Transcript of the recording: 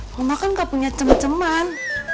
mama kan gak punya cem ceman